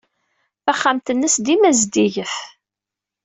Taxxamt-nnes dima zeddiget.